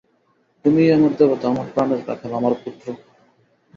তুমিই আমার দেবতা, আমার প্রাণের রাখাল, আমার পুত্র।